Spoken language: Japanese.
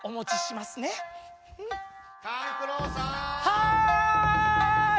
はい！